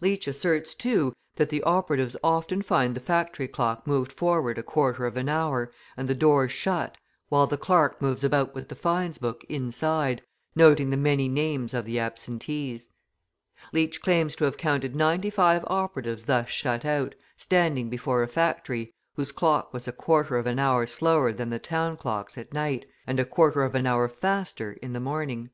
Leach asserts, too, that the operatives often find the factory clock moved forward a quarter of an hour and the doors shut, while the clerk moves about with the fines book inside, noting the many names of the absentees. Leach claims to have counted ninety five operatives thus shut out, standing before a factory, whose clock was a quarter of an hour slower than the town clocks at night, and a quarter of an hour faster in the morning.